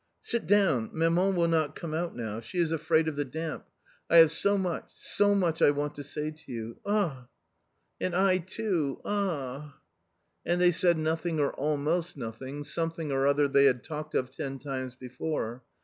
" Sit down, maman will not come out now ; she is afraid A COMMON STORY 93 of the damp. I have so much, so much I want to say to you. ... ah 1 " "And I too .... ah!" And they said nothing or almost nothing, something or other they had talked of ten times before.